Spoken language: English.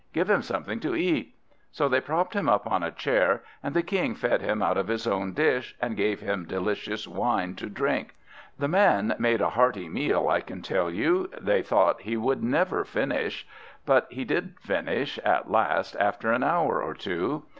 "Give him something to eat." So they propped him up on a chair, and the King fed him out of his own dish, and gave him delicious wine to drink. The man made a hearty meal, I can tell you. They thought he never would finish; but he did finish at last, after an hour or two.